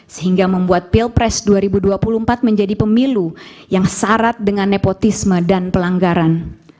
sehingga membuat pilpres dua ribu dua puluh empat menjadi pemilu yang syarat dengan nepotisme dan pelanggaran